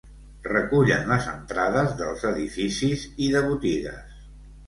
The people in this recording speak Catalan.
Recullen les entrades dels edificis i de botigues.